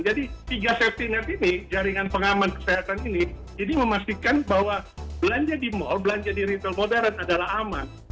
jadi tiga safety net ini jaringan pengaman kesehatan ini ini memastikan bahwa belanja di mall belanja di retail modern adalah aman